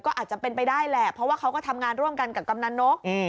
ก็อาจจะเป็นไปได้แหละเพราะว่าเขาก็ทำงานร่วมกันกับกำนันนก